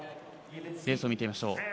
レースを見てみましょう。